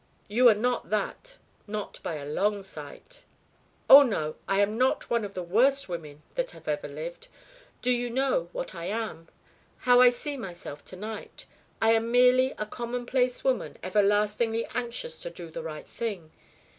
You are not that not by a long sight " "Oh, no! I am not one of the worst women that have ever lived. Do you know what I am, how I see myself to night? I am merely a commonplace woman everlastingly anxious to do the 'right thing.'